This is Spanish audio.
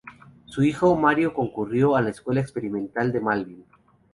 Su hijo Mario concurrió a la Escuela Experimental de Malvín.